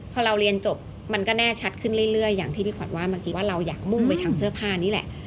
พอเราเรียนจบมันก็แน่ชัดขึ้นเรื่อยอย่างที่พี่ขวัญว่าเมื่อกี้ว่าเราอยากมุ่งไปทางเสื้อผ้านี่แหละ